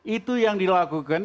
itu yang dilakukan